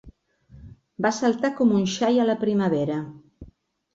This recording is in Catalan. Va saltar com un xai a la primavera.